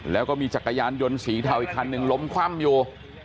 แล้วก็มีจักรยานยนต์สีเทาอีกคันหนึ่งล้มคว่ำอยู่